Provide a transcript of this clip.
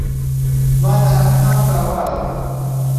ما د هغه پام را واړوه.